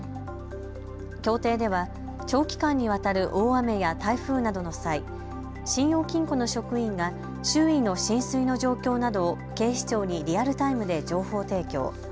協定では長期間にわたる大雨や台風などの際、信用金庫の職員が周囲の浸水の状況などを警視庁にリアルタイムで情報提供。